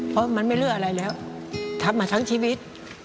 เพราะมันไม่เลือกอะไรแล้วทำมาทั้งชีวิต